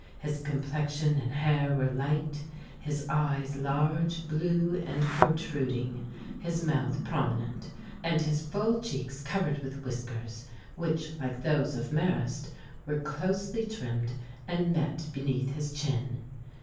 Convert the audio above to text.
His complexion and hair were light, his eyes large, blue and protruding, his mouth prominent, and his full cheeks covered with whiskers, which like those of Marrast, were closely trimmed and met beneath his chin.